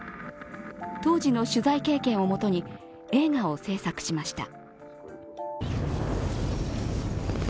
当時の取材経験をもとに、映画を制作しました。